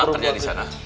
enggak lama kerja di sana